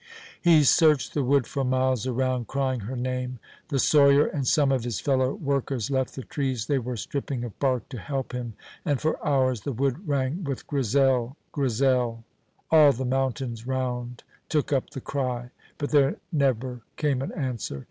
He searched the wood for miles around, crying her name. The sawyer and some of his fellow workers left the trees they were stripping of bark to help him, and for hours the wood rang with "Grizel, Grizel!" All the mountains round took up the cry; but there never came an answer.